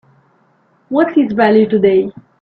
What's its value today?